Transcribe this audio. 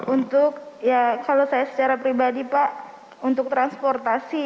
untuk ya kalau saya secara pribadi pak untuk transportasi